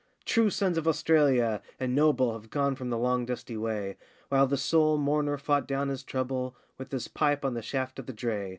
True sons of Australia, and noble, Have gone from the long dusty way, While the sole mourner fought down his trouble With his pipe on the shaft of the dray.